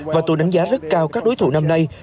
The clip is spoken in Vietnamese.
và tôi đánh giá rất cao các đối thủ năm nay